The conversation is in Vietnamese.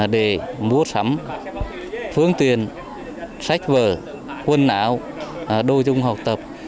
để mua sắm phương tiền sách vở quân ảo đôi dung học tập